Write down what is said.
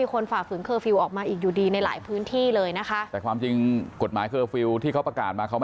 เขาก็ตรวจจริงนั่นแหละ